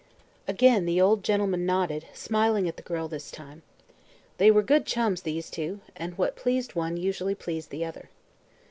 Again the old gentleman nodded, smiling at the girl this time. They were good chums, these two, and what pleased one usually pleased the other.